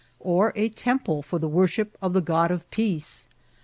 or a temple for the worship of the God of peace